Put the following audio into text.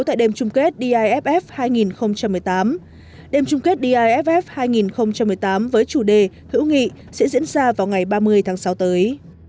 tại đêm chung kết diff hai nghìn một mươi tám đêm chung kết diff hai nghìn một mươi tám với chủ đề hữu nghị sẽ diễn ra vào ngày ba mươi tháng sáu tới